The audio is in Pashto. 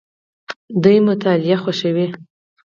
دوی مطالعه خوښوي.